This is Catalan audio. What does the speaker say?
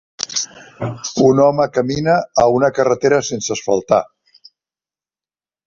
Un home camina a una carretera sense asfaltar.